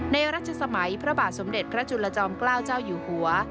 รัชสมัยพระบาทสมเด็จพระจุลจอมเกล้าเจ้าอยู่หัว